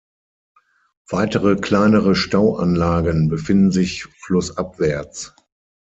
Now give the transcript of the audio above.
Weitere kleinere Stauanlagen befinden sich flussabwärts.